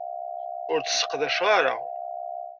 Ur tt-sseqdaceɣ ara.